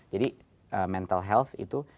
jadi mental health itu